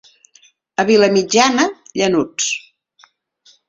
A Vilamitjana, llanuts.